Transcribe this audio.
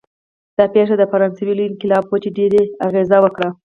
دا پېښه د فرانسې لوی انقلاب و چې ډېر یې اغېز وکړ.